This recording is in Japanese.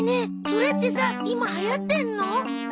それってさ今流行ってるの？